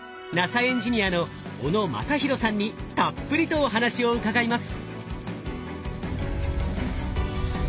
エンジニアの小野雅裕さんにたっぷりとお話を伺います。